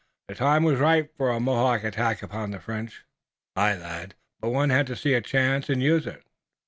The time was ripe for a Mohawk attack upon the French." "Aye, lad, but one had to see a chance and use it.